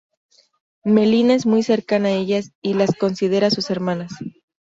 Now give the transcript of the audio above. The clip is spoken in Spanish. Melina es muy cercana a ellas y las considera sus hermanas.